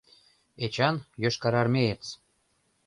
Эчан — йошкарармеец.